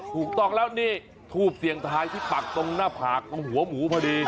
ถูกต้องแล้วนี่ทูบเสียงทายที่ปักตรงหน้าผากตรงหัวหมูพอดี